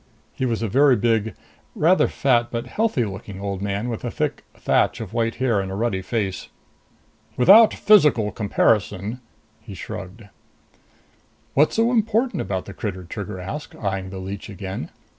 He was a very big, rather fat but healthy looking old man with a thick thatch of white hair and a ruddy face. "Without a physical comparison " He shrugged. "What's so important about the critter?" Trigger asked, eyeing the leech again.